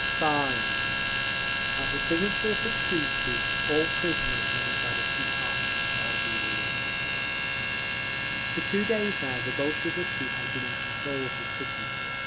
5. At the signature of the treaty, all prisoners made by the two parties shall be released…. For two days now the Bolsheviki had been in control of the city.